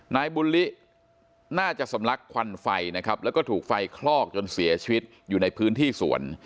นายบุญลิน่าจะสำลักควันไฟนะครับแล้วก็ถูกไฟคลอกจนเสียชีวิตอยู่ในพื้นที่สวน